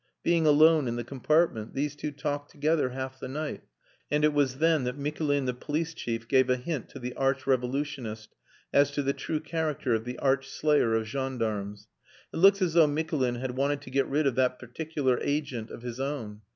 Being alone in the compartment, these two talked together half the night, and it was then that Mikulin the Police Chief gave a hint to the Arch Revolutionist as to the true character of the arch slayer of gendarmes. It looks as though Mikulin had wanted to get rid of that particular agent of his own!